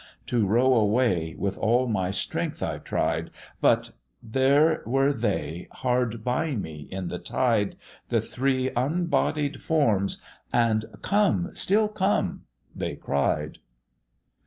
To row away, with all my strength I tried, But there were they hard by me in the tide, The three unbodied forms and 'Come, still come,' they cried.